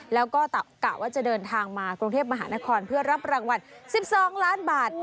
แล้วก็ตอบกล่าวว่าจะเดินทางมากรกเทพมหานครเพื่อรับรางวัล๑๒๐๐๐๐๐๐บาท